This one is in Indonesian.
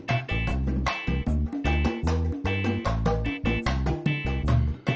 harus engkau peluk kakaknya ke dalam seluruh dunia